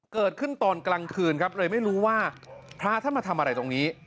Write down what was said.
เกิดขึ้นตอนกลางคืนครับเลยไม่รู้ว่าพระท่านมาทำอะไรตรงนี้